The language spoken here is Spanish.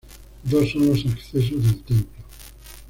Dos son los accesos del templo.